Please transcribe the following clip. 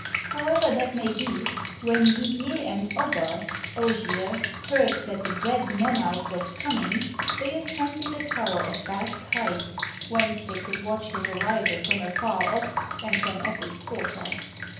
However that may be, "when Didier and Ogger [Ogier] heard that the dread monarch was coming, they ascended a tower of vast height whence they could watch his arrival from afar olff and from every quarter.